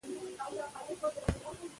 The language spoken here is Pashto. د کورنیو جګړو په وخت کې ودانۍ ویجاړه شوې.